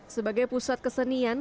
sebagai pusat kesenian